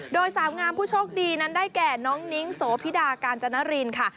โดยสาวงามผู้โชคดีนั้นได้แก่น้องนิ้งโสพิดากาญจนรินค่ะ